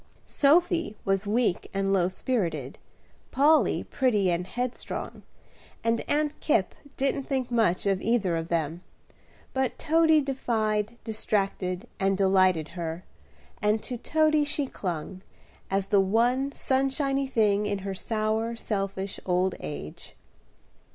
Sophy was weak and low spirited, Polly pretty and headstrong, and Aunt Kipp didn't think much of either of them; but Toady defied, distracted, and delighted her, and to Toady she clung, as the one sunshiny thing in her sour, selfish old age.